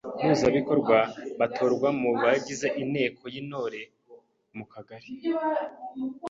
Mpuzabikorwa batorwa mu bagize Inteko y’Intore mu Kagari.